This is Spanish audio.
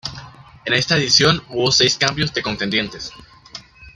En esta edición hubo seis cambios de contendientes.